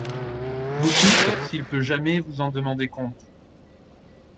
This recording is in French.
Vous tous, s’il peut jamais vous en demander compte